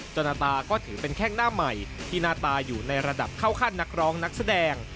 นาตาก็ถือเป็นแข้งหน้าใหม่ที่หน้าตาอยู่ในระดับเข้าขั้นนักร้องนักแสดง